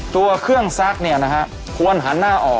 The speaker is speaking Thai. ตัวเครื่องซักเนี่ยนะฮะควรหันหน้าออก